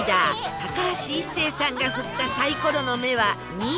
高橋一生さんが振ったサイコロの目は「２」